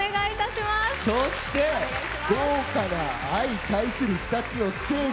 そして豪華な相対する２つのステージ。